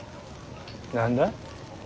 何だ？